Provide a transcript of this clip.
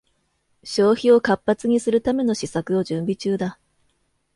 消費を活発にするための施策を準備中だ